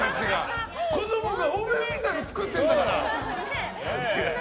子供がお面みたいなの作ってんだから。